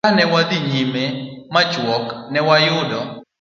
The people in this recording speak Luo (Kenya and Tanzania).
Ka ne wadhi nyime machuok, ne wayudo